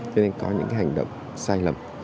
cho nên có những cái hành động sai lầm